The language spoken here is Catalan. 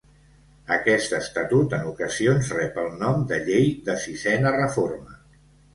Aquest estatut en ocasions rep el nom de Llei de Sisena Reforma.